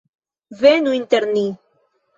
Venu inter nin!